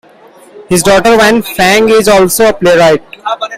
His daughter Wan Fang is also a playwright.